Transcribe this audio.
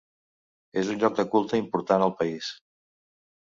És un lloc de culte important al país.